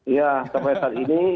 ya sampai saat ini